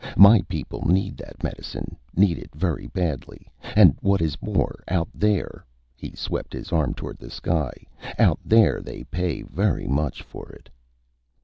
My people need that medicine need it very badly. And what is more, out there " he swept his arm toward the sky "out there they pay very much for it."